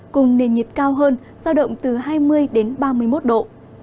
cùng nền nhiệt cao hơn giao động từ hai mươi đến ba mươi một độ